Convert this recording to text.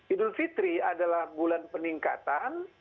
idul fitri adalah bulan peningkatan